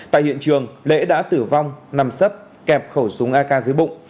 tại hiện trường lễ đã tử vong nằm sấp kẹp khẩu súng ak dưới bụng